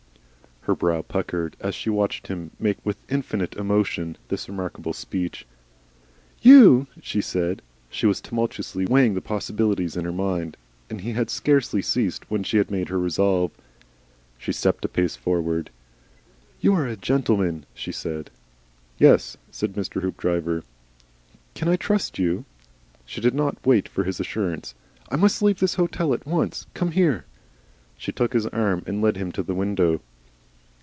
Her brow puckered, as she watched him make, with infinite emotion, this remarkable speech. "YOU!" she said. She was tumultuously weighing possibilities in her mind, and he had scarcely ceased when she had made her resolve. She stepped a pace forward. "You are a gentleman," she said. "Yes," said Mr. Hoopdriver. "Can I trust you?" She did not wait for his assurance. "I must leave this hotel at once. Come here." She took his arm and led him to the window.